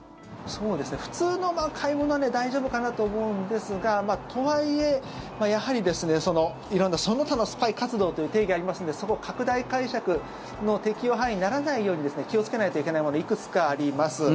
普通の買い物は大丈夫かなと思うんですがとはいえ、やはり色んなその他のスパイ活動という定義がありますのでそこを拡大解釈の適用範囲にならないように気をつけないといけないものいくつかあります。